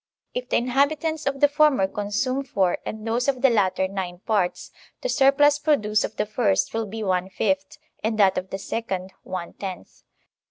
If the inhabitants of the former consume four and those of the latter nine parts, the surplus produce of the first will be one fifth, and that of the second one tenth.